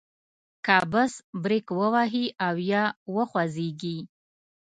که بس بریک ووهي او یا وخوځیږي.